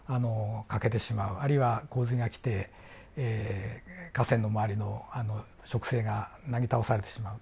あるいは洪水が来て河川の周りの植生がなぎ倒されてしまうと。